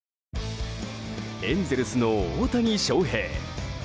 エンゼルスの大谷翔平。